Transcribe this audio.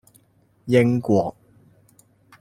英國